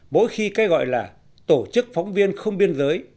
mỗi khi cái gọi là tổ chức phóng viên không biên giới